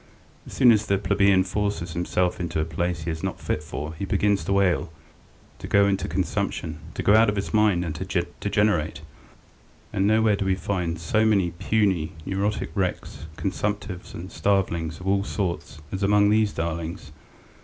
As soon as the plebeian forces himself into a place he is not fit for he begins to ail, to go into consumption, to go out of his mind, and to degenerate, and nowhere do we find so many puny, neurotic wrecks, consumptives, and starvelings of all sorts as among these darlings.